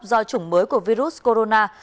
do chủng mới của virus corona